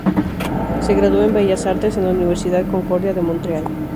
Se graduó en Bellas Artes en la Universidad Concordia de Montreal.